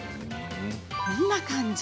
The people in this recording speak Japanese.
こんな感じ。